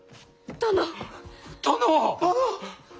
殿！